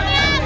tuh ya tenang